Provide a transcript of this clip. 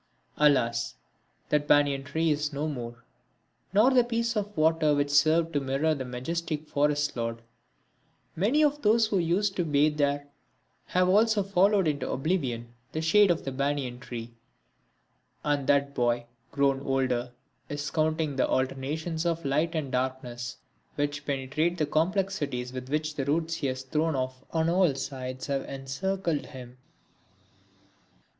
Alas! that banyan tree is no more, nor the piece of water which served to mirror the majestic forest lord! Many of those who used to bathe there have also followed into oblivion the shade of the banyan tree. And that boy, grown older, is counting the alternations of light and darkness which penetrate the complexities with which the roots he has thrown off on all sides have encircled him.